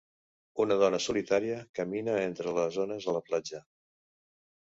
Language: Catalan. Una dona solitària camina entre les ones a la platja.